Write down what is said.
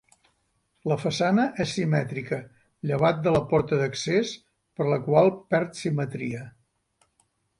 La façana és simètrica llevat de la porta d'accés per la qual perd simetria.